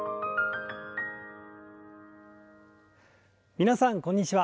皆さんこんにちは。